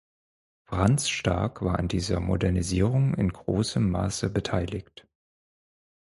Franz Stark war an dieser Modernisierung in grossem Masse beteiligt.